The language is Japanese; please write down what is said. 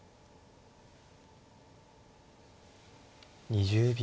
２０秒。